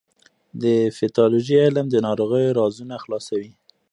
د پیتالوژي علم د ناروغیو رازونه خلاصوي.